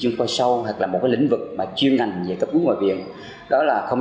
chăm sóc sức khỏe sâu hoặc là một lĩnh vực mà chuyên ngành về cấp cứu ngồi viện đó là không